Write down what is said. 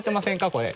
これ。